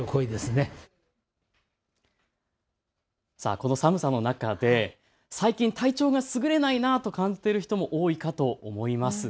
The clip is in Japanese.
この寒さの中で最近、体調がすぐれないなと感じている人も多いかと思います。